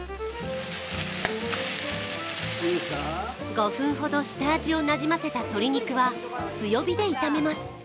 ５分ほど下味をなじませた鶏肉は強火で炒めます。